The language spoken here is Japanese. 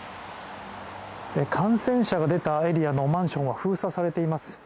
感染者が出たエリアのマンションは封鎖されています。